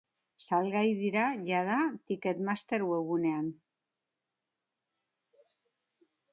Salgai dira jadaticketmaster webgunean.